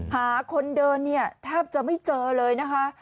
หาคนเดินเนี่ยแทบจะไม่เจอเลยนะคะ